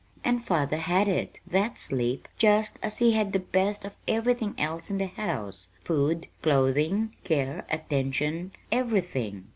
And father had it that sleep, just as he had the best of everything else in the house: food, clothing, care, attention everything.